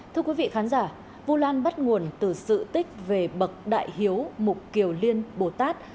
thưa quý vị khán giả vũ lan bắt nguồn từ sự tích về bậc đại hiếu mục kiều liên bồ tát